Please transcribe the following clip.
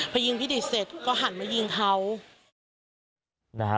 พอยิงพี่ดิตเสร็จก็หันมายิงเขานะฮะ